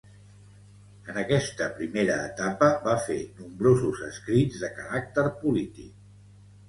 En aquesta primera etapa va fer nombrosos escrits de caràcter polític.